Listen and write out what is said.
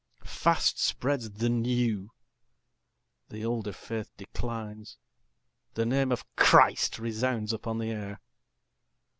Fast spreads the new; the older faith declines. The name of Christ resounds upon the air.